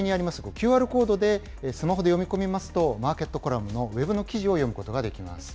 ＱＲコードでスマホで読み込みますと、マーケットコラムのウェブの記事を読むことができます。